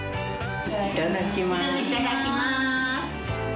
いただきます。